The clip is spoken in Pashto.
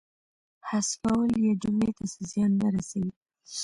حذفول یې جملې ته څه زیان نه رسوي.